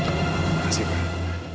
terima kasih pak